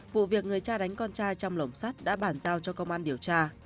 vụ việc người cha đánh con trai trong lồng sắt đã bản giao cho công an điều tra